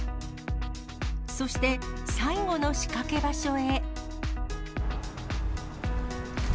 そして、最後の仕掛け場所へ。